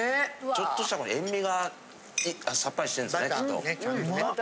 ちょっとしたこの塩味がさっぱりしてるんですねきっと。